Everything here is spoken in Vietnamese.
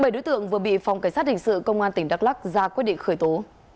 bảy đối tượng vừa bị phòng cảnh sát hình sự công an tỉnh đắk lắc ra quyết định khởi tố